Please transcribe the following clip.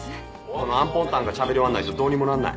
このアンポンタンがしゃべり終わんないとどうにもなんない。